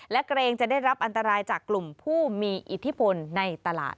และเกรงจะได้รับอันตรายจากกลุ่มผู้มีอิทธิพลในตลาด